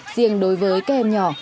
riêng đối với các em nhỏ